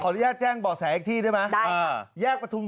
อนุญาตแจ้งบ่อแสอีกที่ได้ไหม